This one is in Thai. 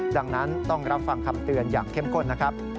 ดังนั้นต้องรับฟังคำเตือนอย่างเข้มข้นนะครับ